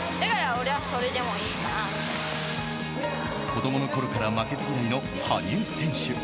子供のころから負けず嫌いの羽生選手。